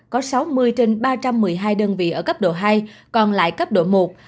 có sáu mươi trên ba trăm một mươi hai đơn vị ở cấp độ hai còn lại cấp độ một